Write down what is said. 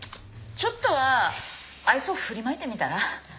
ちょっとは愛想振りまいてみたら？